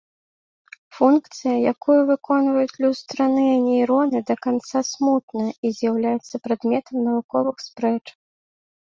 Функцыя, якую выконваюць люстраныя нейроны да канца смутная і з'яўляецца прадметам навуковых спрэчак.